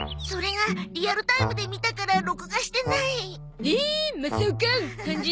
それがリアルタイムで見たから録画してない。